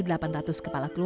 kepala kelola pertamu